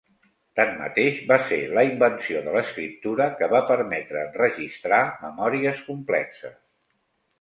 Tanmateix, va ser la invenció de l'escriptura que va permetre enregistrar memòries complexes.